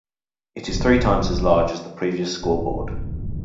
It is three times as large as the previous scoreboard.